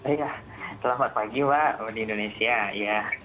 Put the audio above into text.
iya selamat pagi pak di indonesia